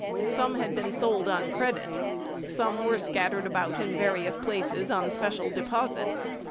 Some had been sold on credit. Some were scattered about in various places on special deposit.